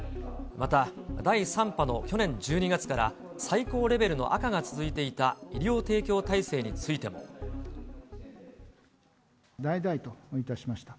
また、第３波の去年１２月から、最高レベルの赤が続いていた医療提供体だいだいといたしました。